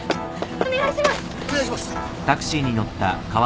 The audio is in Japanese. お願いします。